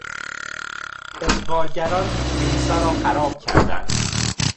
اشغالگران کلیسا را خراب کردند.